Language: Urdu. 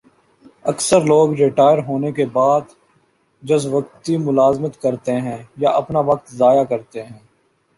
اکثر لوگ ریٹائر ہونے کے بعد جزوقتی ملازمت کرتے ہیں یا اپنا وقت ضائع کرتے ہیں